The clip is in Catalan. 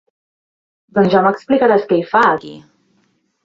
Doncs ja m'explicaràs què hi fa, aquí.